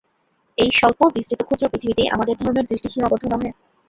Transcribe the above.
এই স্বল্প- বিস্তৃত ক্ষুদ্র পৃথিবীতেই আমাদের ধর্মের দৃষ্টি সীমাবদ্ধ নহে।